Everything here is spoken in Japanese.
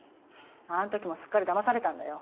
あの時もすっかりだまされたんだよ。